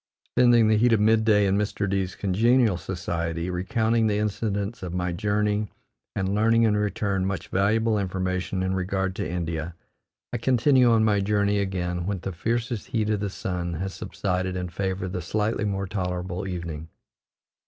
Spending the heat of mid day in Mr. D 's congenial society, recounting the incidents of my journey and learning in return much valuable information in regard to India, I continue on my journey again when the fiercest heat of the sun has subsided in favor of the slightly more tolerable evening.